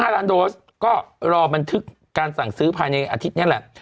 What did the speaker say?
๕ล้านโดสก็รอบันทึกการสั่งซื้อภายในอาทิตย์นี้แหละ